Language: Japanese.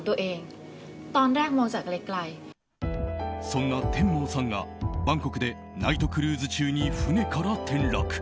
そんなテンモーさんがバンコクでナイトクルーズ中に船から転落。